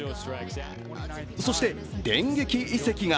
そして、電撃移籍が。